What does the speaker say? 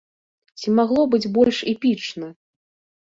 Ці магло быць больш эпічна?